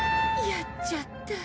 やっちゃった。